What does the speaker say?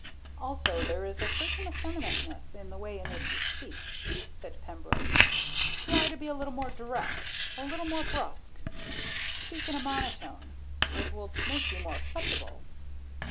"Also, there is a certain effeminateness in the way in which you speak," said Pembroke. "Try to be a little more direct, a little more brusque. Speak in a monotone. It will make you more acceptable."